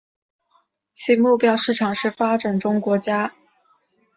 其目标市场是发展中国家。